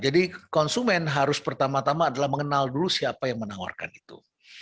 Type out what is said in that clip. jadi konsumen harus pertama tama adalah mengenal dulu siapa yang menawarkan itu